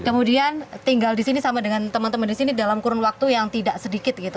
kemudian tinggal di sini sama dengan teman teman di sini dalam kurun waktu yang tidak sedikit gitu